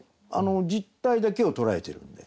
実態だけを捉えてるんで。